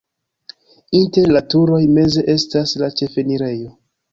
Inter la turoj meze estas la ĉefenirejo.